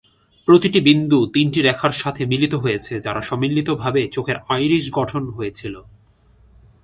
প্রতিটি বিন্দু তিনটি রেখার সাথে মিলিত হয়েছে, যারা সম্মিলিতভাবে চোখের আইরিশ গঠন হয়েছিল।